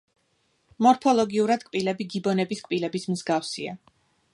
მორფოლოგიურად კბილები გიბონების კბილების მსგავსია.